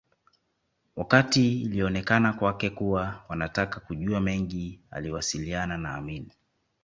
Wakati ilionekana kwake kuwa wanataka kujua mengi aliwasiliana na Amin